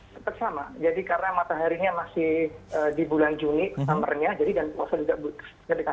sampai sama jadi karena mataharinya masih di bulan juni summer nya